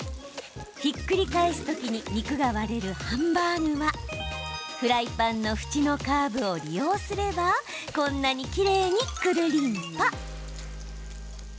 ひっくり返す時に肉が割れるハンバーグはフライパンの縁のカーブを利用すればこんなにきれいに、くるりんぱ。